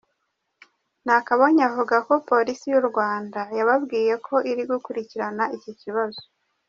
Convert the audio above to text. Nakabonye avuga ko Polisi y’ u Rwanda yababwiye ko iri gukurikirana iki kibazo.